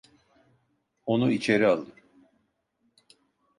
Onu içeri alın.